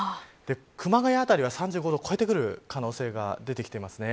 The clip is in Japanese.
熊谷辺りは３５度を超えてくる可能性が出てきていますね。